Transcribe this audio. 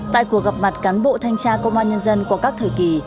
tại cuộc gặp mặt cán bộ thanh tra công an nhân dân qua các thời kỳ